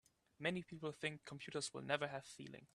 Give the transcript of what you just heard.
Many people think computers will never have feelings.